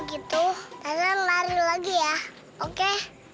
oh gitu nanti lari lagi ya oke